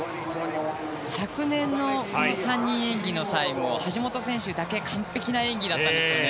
昨年もこの３人の演技の際も橋本選手だけ完璧な演技だったんですね。